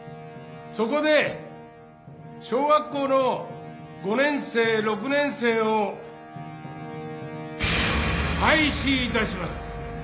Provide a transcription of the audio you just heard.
そこで小学校の５年生６年生を廃止いたします」。